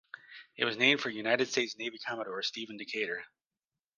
It was named for United States Navy Commodore Stephen Decatur.